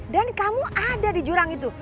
dan kamu ada di jurang itu